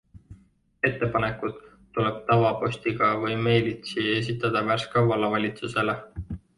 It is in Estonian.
Ettepanekud tuleb tavapostiga või meilitsi esitada Värska vallavalitsusele.